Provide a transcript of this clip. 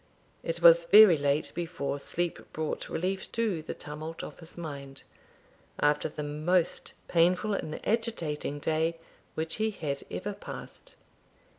It was very late before sleep brought relief to the tumult of his mind, after the most painful and agitating day which he had ever passed.